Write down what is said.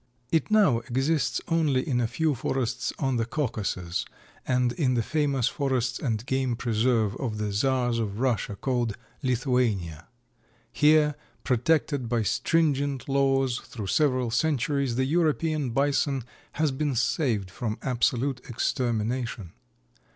It now exists only in a few forests on the Caucasus and in the famous forest and game preserve of the Czars of Russia called Lithuania. Here, protected by stringent laws through several centuries, the European bison has been saved from absolute extermination.